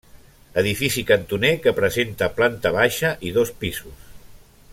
Edifici cantoner que presenta planta baixa i dos pisos.